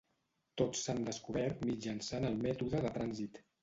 Tots s'han descobert mitjançant el mètode de trànsit.